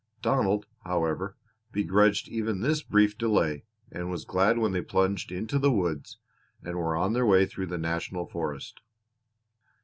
Donald, however, begrudged even this brief delay and was glad when they plunged into the woods and were on their way through the National Forest.